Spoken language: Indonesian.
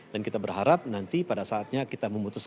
dan kita berharap nanti pada saatnya kita memutuskan